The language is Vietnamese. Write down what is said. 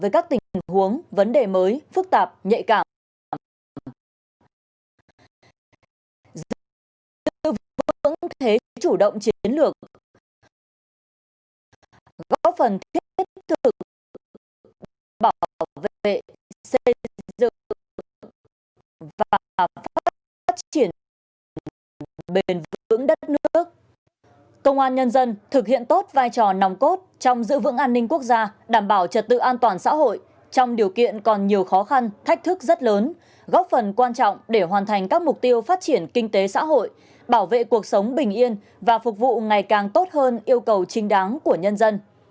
công an nhân dân thực hiện tốt vai trò nòng cốt trong giữ vững an ninh quốc gia đảm bảo trật tự an toàn xã hội trong điều kiện còn nhiều khó khăn thách thức rất lớn góp phần quan trọng để hoàn thành các mục tiêu phát triển kinh tế xã hội bảo vệ cuộc sống bình yên và phục vụ ngày càng tốt hơn yêu cầu trinh đáng của nhân dân